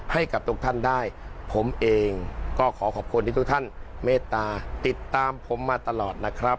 ให้กับทุกท่านได้ผมเองก็ขอขอบคุณที่ทุกท่านเมตตาติดตามผมมาตลอดนะครับ